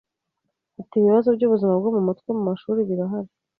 Ati “Ibibazo by’ubuzima bwo mu mutwe mu mashuri birahari